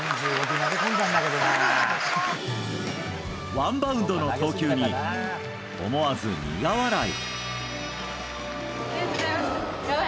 ワンバウンドの投球に思わず苦笑い。